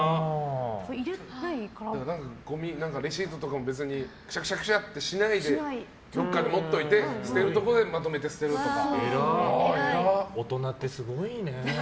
レシートとかも別にくしゃくしゃってしないでどこかに持っておいて捨てるところでまとめて捨てるとか。